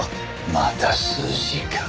また数字か。